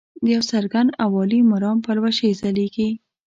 د یو څرګند او عالي مرام پلوشې ځلیږي.